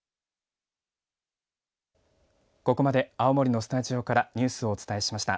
ここまで青森のスタジオからニュースをお伝えしました。